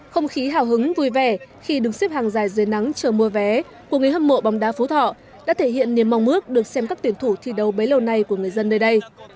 không khí hào hứng vui vẻ khi đứng xếp hàng dài dưới nắng chờ mua vé của người hâm mộ bóng đá phú thọ đã thể hiện niềm mong mước được xem các tuyển thủ thi đấu bấy lâu nay của người dân nơi đây